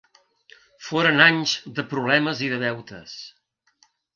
Foren anys de problemes i de deutes.